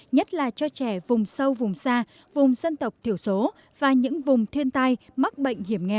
nhất là cho trẻ vùng sâu vùng xa vùng dân tộc thiểu số và những vùng thiên tai mắc bệnh hiểm nghèo